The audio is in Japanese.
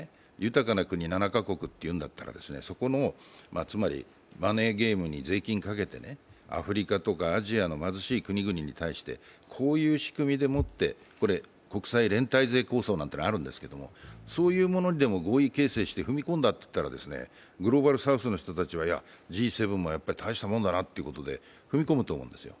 例えば、豊かな国７か国と言うんだったら、そこの、つまりマネーゲームに税金かけてアフリカとかアジアの貧しい国々に対して、こういう仕組みで、国際連帯税構想なんてのがあるんですがそういうものでも合意形成して踏み込んだといったら、グローバルサウスの人たちはＧ７の人も大したもんだなと踏み込むと思うんですよ。